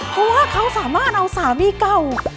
เพราะว่าเขาสามารถเอาสามีเก่า